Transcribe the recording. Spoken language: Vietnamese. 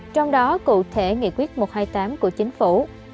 trong đó cụ thể nghị quyết một trăm hai mươi tám của chính phủ